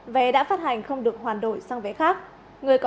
vé đã phát hành không được hoàn đổi sang vé khác